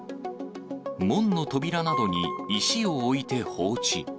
門の扉などに石を置いて放置。